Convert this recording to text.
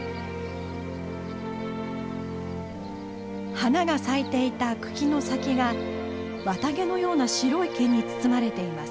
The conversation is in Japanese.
花が咲いていた茎の先が綿毛のような白い毛に包まれています。